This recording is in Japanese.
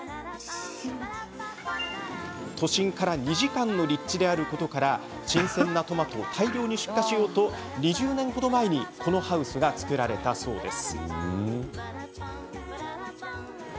都心から２時間の立地であることから新鮮なトマトを大量に出荷しようと２０年程前にこのハウスが作られたそうです。